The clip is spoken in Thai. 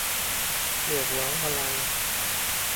เรียกร้องพลัง